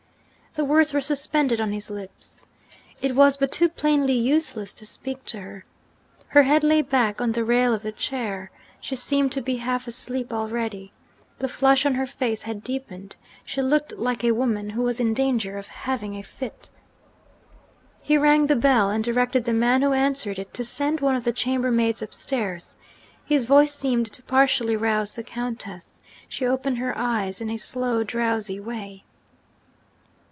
The words were suspended on his lips. It was but too plainly useless to speak to her. Her head lay back on the rail of the chair. She seemed to be half asleep already. The flush on her face had deepened: she looked like a woman who was in danger of having a fit. He rang the bell, and directed the man who answered it to send one of the chambermaids upstairs. His voice seemed to partially rouse the Countess; she opened her eyes in a slow drowsy way.